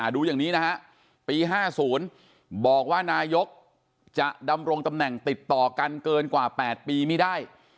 ดูอย่างนี้นะฮะปี๕๐บอกว่านายกจะดำรงตำแหน่งติดต่อกันเกินกว่า๘ปีไม่ได้